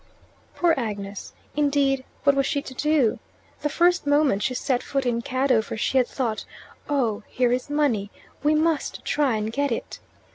Poor Agnes! Indeed, what was she to do? The first moment she set foot in Cadover she had thought, "Oh, here is money. We must try and get it."